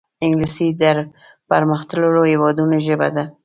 انګلیسي د پرمختللو هېوادونو ژبه ده